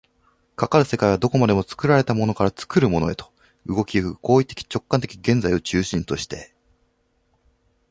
かかる世界はどこまでも作られたものから作るものへと、動き行く行為的直観的現在を中心として、